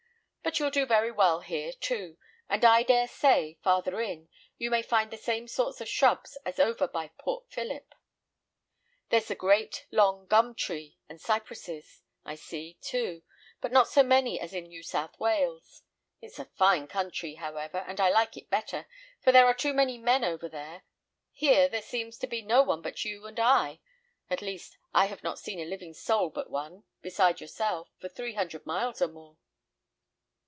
But you'll do very well here, too; and, I dare say, farther in, you may find the same sorts of shrubs as over by Port Philip. There's the great, long gum tree, and cypresses, I see, too; but not so many as in New South Wales. It's a fine country, however, and I like it better, for there are too many men over there. Here there seems to be no one but you and I: at least, I have not seen a living soul but one, beside yourself, for three hundred miles or more."